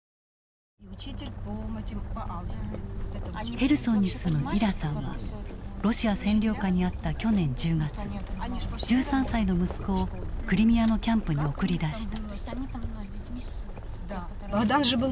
ヘルソンに住むイラさんはロシア占領下にあった去年１０月１３歳の息子をクリミアのキャンプに送り出した。